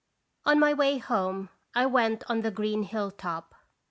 On my way home I went on the green hill top.